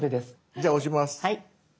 じゃあ押します。